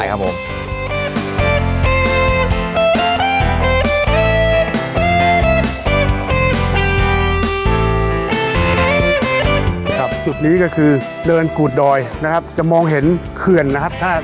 ครับสุดนี้ก็คือเดือนกุดดอยจะมองเห็นเขื่อนนะครับ